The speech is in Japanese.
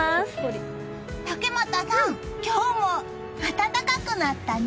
竹俣さん、今日も暖かくなったね。